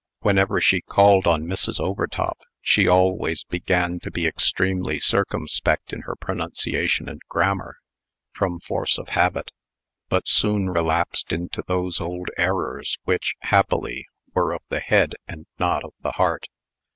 Whenever she called on Mrs. Overtop, she always began to be extremely circumspect in her pronunciation and grammar, from force of habit; but soon relapsed into those old errors which, happily, were of the head, and not of the heart.